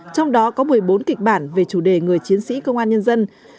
trong đó có một mươi bốn kịch bản về chủ đề người chiến sĩ công an nhân dân